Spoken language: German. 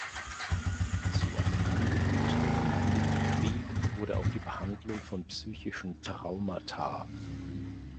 Zu einem Angebot der Gemeinde im Krieg wurde auch die Behandlung von psychischen Traumata.